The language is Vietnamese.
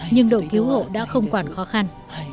nhưng đội cứu hộ đã không quản khó khăn